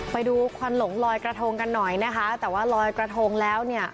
ไปดูควันหลงลอยกระทงกันหน่อยนะคะแต่ว่าลอยกระทงแล้วเนี่ย